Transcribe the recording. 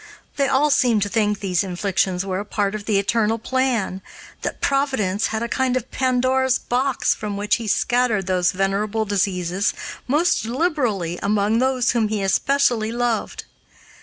They all seemed to think these inflictions were a part of the eternal plan that Providence had a kind of Pandora's box, from which he scattered these venerable diseases most liberally among those whom he especially loved.